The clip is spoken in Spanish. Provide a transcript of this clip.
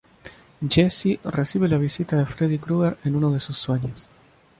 Jesse recibe la visita de Freddy Krueger en uno de sus sueños.